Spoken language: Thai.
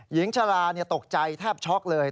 หญิงชะลาตกใจแทบช็อกเลย